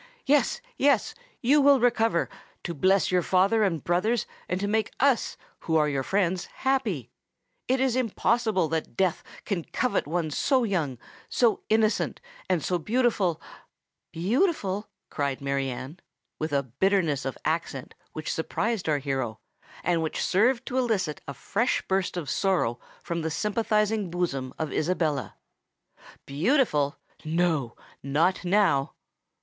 "Yes—yes—you will recover, to bless your father and brothers, and to make us, who are your friends, happy! It is impossible that Death can covet one so young, so innocent, and so beautiful——" "Beautiful!" cried Mary Anne, with a bitterness of accent which surprised our hero, and which served to elicit a fresh burst of sorrow from the sympathising bosom of Isabella: "beautiful—no, not now!"